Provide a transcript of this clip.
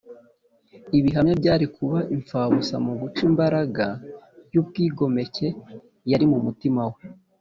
. Ibihamya byari kuba impfabusa mu guca imbaraga y’ubwigomeke yari mu mutima we